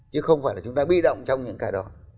chứ không phải là chúng ta bi động trong những cái đó